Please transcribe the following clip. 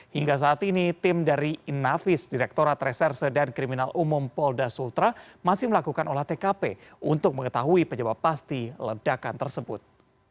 hingga saat ini tim dari inavis direkturat reserse dan kriminal umum polda sultra masih melakukan olah tkp untuk mengetahui penyebab pasti ledakan tersebut